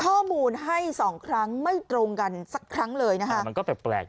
ข้อมูลให้สองครั้งไม่ตรงกันสักครั้งเลยนะฮะมันก็แปลกแปลก